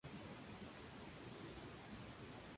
En el verano los franceses ocuparon Villafranca.